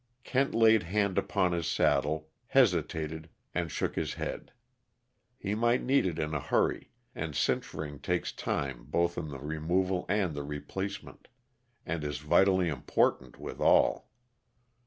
Kent laid hand upon his saddle, hesitated, and shook his head; he might need it in a hurry, and cinch ring takes time both in the removal and the replacement and is vitally important withal.